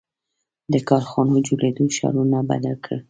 • د کارخانو جوړېدو ښارونه بدل کړل.